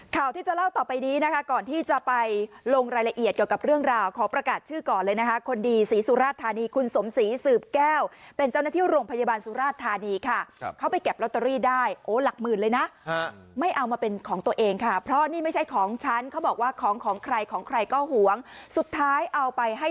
ข่าวที่จะเล่าต่อไปนี้นะคะก่อนที่จะไปลงรายละเอียดเกี่ยวกับเรื่องราวขอประกาศชื่อก่อนเลยนะคะคนดีศรีสุราชธานีคุณสมศรีสืบแก้วเป็นเจ้าหน้าที่โรงพยาบาลสุราชธานีค่ะเขาไปเก็บลอตเตอรี่ได้โอ้หลักหมื่นเลยนะไม่เอามาเป็นของตัวเองค่ะเพราะนี่ไม่ใช่ของฉันเขาบอกว่าของของใครของใครก็หวงสุดท้ายเอาไปให้